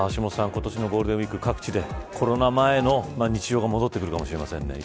今年のゴールデンウイーク各地でコロナ前の日常が戻ってくるかもしれませんね。